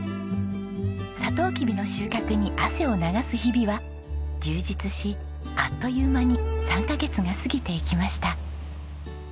サトウキビの収穫に汗を流す日々は充実しあっという間に３カ月が過ぎていきました。